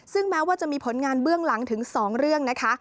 ซึ่งแม้ว่าจะมีผลงานเบื้องหลังถึง๒เรื่องนะคะ